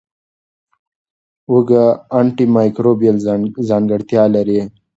هوږه انټي مایکروبیل ځانګړتیا لري.